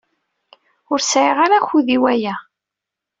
Ur sɛiɣ ara akud i waya.